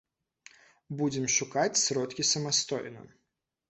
Будзем шукаць сродкі самастойна.